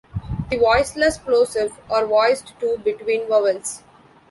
The voiceless plosive are voiced to between vowels.